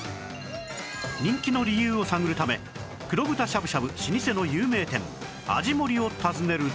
人気の理由を探るため黒豚しゃぶしゃぶ老舗の有名店あぢもりを訪ねると